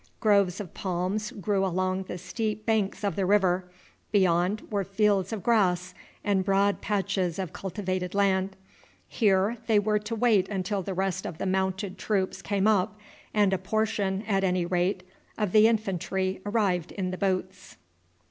Groves of palms grew along the steep banks of the river; beyond were fields of grass and broad patches of cultivated land. Here they were to wait until the rest of the mounted troops came up, and a portion, at any rate, of the infantry arrived in the boats.